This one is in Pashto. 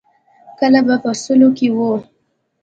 کله به په سلو کې وه.